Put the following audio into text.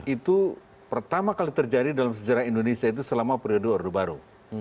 itu pertama kali terjadi dalam sejarah indonesia itu selama periode orde baru